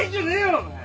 お前。